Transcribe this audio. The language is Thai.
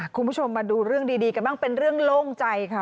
คุณผู้ชมมาดูเรื่องดีกันบ้างเป็นเรื่องโล่งใจค่ะ